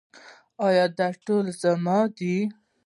دا ټول زموږ دي